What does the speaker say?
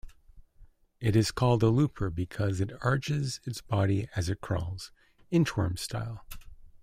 It is called a "looper" because it arches its body as it crawls, inchworm-style.